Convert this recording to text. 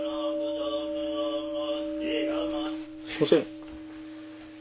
すいません